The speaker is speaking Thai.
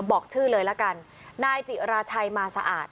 บอกชื่อเลยละกันนายจิราชัยมาสะอาด